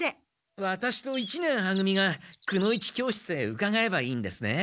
ワタシと一年は組がくの一教室へうかがえばいいんですね。